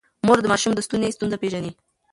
مور د ماشوم د ستوني ستونزه پېژني.